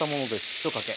１かけ。